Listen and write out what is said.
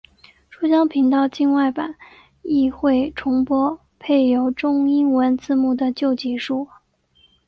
珠江频道境外版亦会重播配有中英文字幕的旧集数。